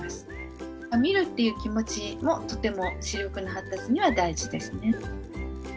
「見る」っていう気持ちもとても視力の発達には大事ですね。